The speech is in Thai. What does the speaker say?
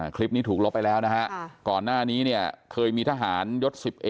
คลิปนี้ถูกลบไปแล้วนะฮะก่อนหน้านี้เนี่ยเคยมีทหารยศ๑๑